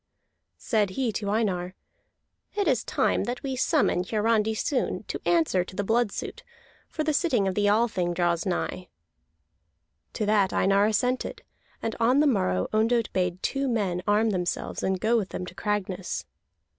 Said he to Einar: "It is time that we summon Hiarandi soon to answer to the blood suit, for the sitting of the Althing draws nigh." To that Einar assented, and on the morrow Ondott bade two men arm themselves and go with them to Cragness.